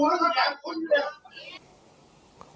และการซึ่งถือเกี่ยวใจเกี่ยวหน่อยกันได้